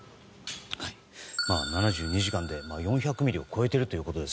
７２時間で４００ミリを超えているということです。